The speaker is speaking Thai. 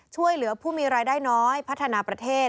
ช่วยเหลือผู้มีรายได้น้อยพัฒนาประเทศ